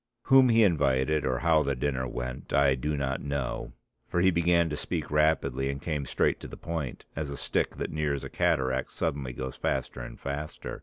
Whom he invited or how the dinner went I do not know for he began to speak rapidly and came straight to the point, as a stick that nears a cataract suddenly goes faster and faster.